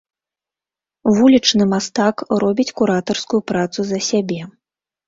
Вулічны мастак робіць куратарскую працу за сябе.